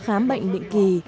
khám bệnh định kỳ